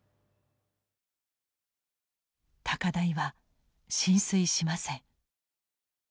高台は浸水しません。